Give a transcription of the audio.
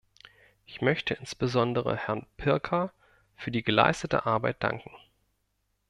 Ich möchte insbesondere Herrn Pirker für die geleistete Arbeit danken.